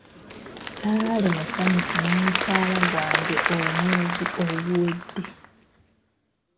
Saali musanyufu n'omusaala gwange omwezi oguwedde.